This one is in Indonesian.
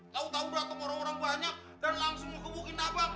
tau tau dateng orang orang banyak dan langsung ngekebukin abang